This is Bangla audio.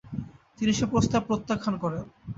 তিনি সে প্রস্তাব প্রত্যাখ্যান করেন।